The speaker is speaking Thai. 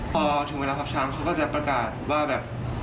พอถึงเวลาทับช้างเขาก็จะประกาศว่าแบบ